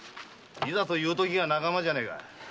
いざというときが仲間じゃねえか。